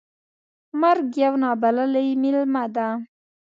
مرګ یو نا بللی میلمه ده .